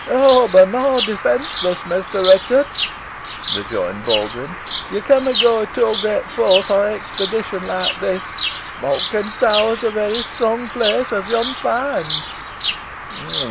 "Owd, boh neaw defenceless, Mester Ruchot," rejoined Baldwyn. "Yo canna go i' too great force on an expedition like this. Malkin Tower is a varry strong place, os yo'n find."